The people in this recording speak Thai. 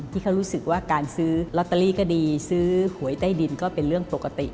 ที่เขารู้สึกว่าการซื้อลอตเตอรี่ก็ดีซื้อหวยใต้ดินก็เป็นเรื่องปกติ